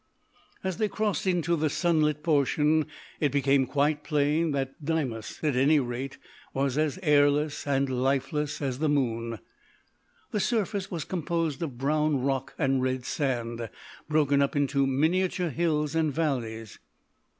As they crossed into the sunlit portion it became quite plain that Deimos, at any rate, was as airless and lifeless as the moon. The surface was composed of brown rock and red sand broken up into miniature hills and valleys.